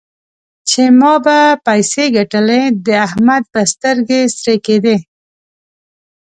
چې ما به پيسې ګټلې؛ د احمد به سترګې سرې کېدې.